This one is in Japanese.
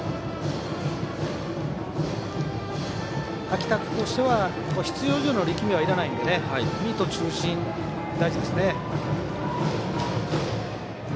秋田君としては必要以上の力みはいらないのでミート中心、大事ですね。